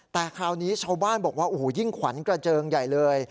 แต่คราวนี้ชาวบ้านบอกว่าโอ้โหยิ่งขวัญกระเจิงใหญ่เลย